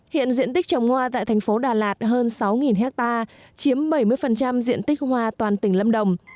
hiện diện tích trồng hoa tại thành phố đà lạt hơn sáu ha chiếm bảy mươi diện tích hoa toàn tỉnh lâm đồng